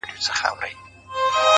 د حقیقت اورېدل د ودې پیل دی’